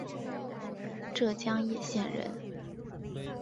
浙江鄞县人。